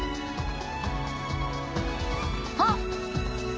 あっ！